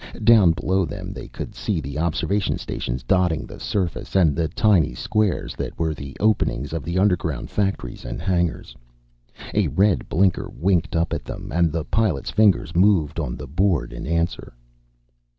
Down below them they could see the observation stations dotting the surface, and the tiny squares that were the openings of the underground factories and hangars. A red blinker winked up at them and the Pilot's fingers moved on the board in answer.